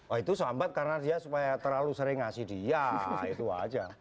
oh itu sambat karena dia supaya terlalu sering ngasih dia itu aja